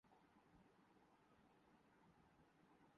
آصف علی زرداری زیادہ سمجھدار ہیں۔